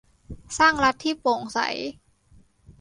สร้างรัฐที่โปร่งใส